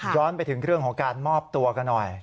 ไปถึงเรื่องของการมอบตัวกันหน่อย